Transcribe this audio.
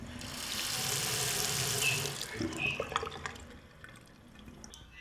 En efecto, es uno de ellos.